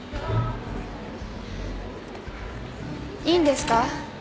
いいんですか？